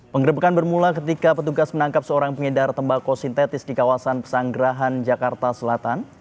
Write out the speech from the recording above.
penggerbekan bermula ketika petugas menangkap seorang pengedar tembakau sintetis di kawasan pesanggerahan jakarta selatan